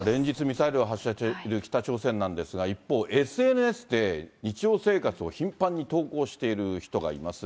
連日、ミサイルを発射している北朝鮮なんですが、一方、ＳＮＳで日常生活を頻繁に投稿している人がいます。